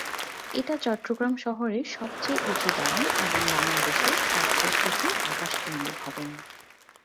এটা চট্টগ্রাম শহরের সবচেয়ে উঁচু দালান এবং বাংলাদেশের সবচেয়ে উঁচু আকাশচুম্বী ভবন।